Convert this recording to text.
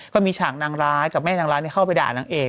ฉากนางร้ายกับแม่นางร้ายเข้าไปด่านางเอก